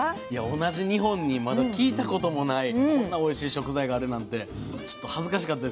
同じ日本にまだ聞いたこともないこんなおいしい食材があるなんてちょっと恥ずかしかったです。